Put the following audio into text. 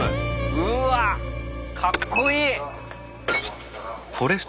うわっかっこいい！